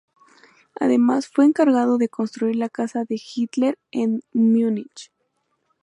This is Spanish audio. Además, fue encargado de construir la casa de Hitler en Múnich.